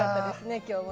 今日もね。